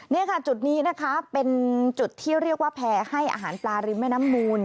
นี่ค่ะจุดนี้นะคะเป็นจุดที่เรียกว่าแพร่ให้อาหารปลาริมแม่น้ำมูล